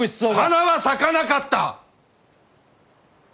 花は咲かなかった！